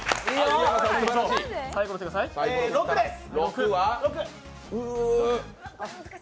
６です。